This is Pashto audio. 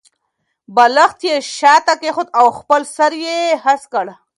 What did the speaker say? بالښت یې شاته کېښود او خپل سر یې هسک کړ.